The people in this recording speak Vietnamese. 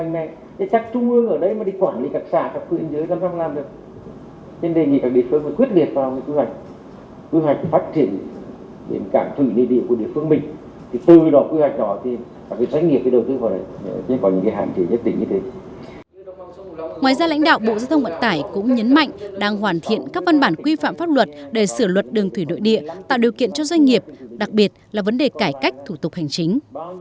ngoài ra lãnh đạo bộ giao thông vận tải cũng nhấn mạnh đang hoàn thiện các văn bản quy phạm pháp luật để sửa luật đường thủy đội địa tạo điều kiện cho doanh nghiệp đặc biệt là vấn đề cải cách thủ tục hành chính